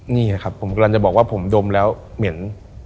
นี่ครับผมกำลังจะบอกว่าผมดมแล้วเหม็น